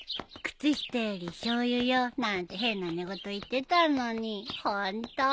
「靴下よりしょうゆよ」なんて変な寝言言ってたのにホント？